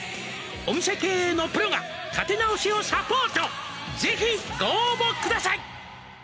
「お店経営のプロが立て直しをサポート」「ぜひご応募ください」